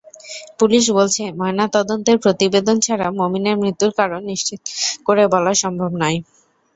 Police বলছে, ময়নাতদন্তের প্রতিবেদন ছাড়া মোমিনের মৃত্যুর কারণ নিশ্চিত করে বলা সম্ভব নয়।